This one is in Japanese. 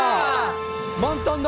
満タンだ！